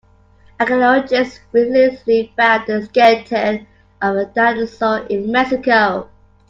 Archaeologists recently found the skeleton of a dinosaur in Mexico.